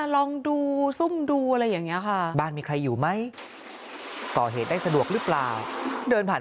ลองดูซึ่งดูอะไรอย่างนี้ค่ะมีใครอยู่ไม่คอนปาก